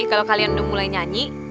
kalau kalian udah mulai nyanyi